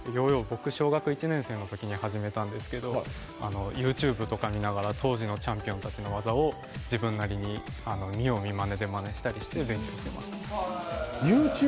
僕小学１年生のときに始めたんですけどＹｏｕＴｕｂｅとかを見て、当時のチャンピオンの技を自分なりに見よう見まねでまねして、勉強してました。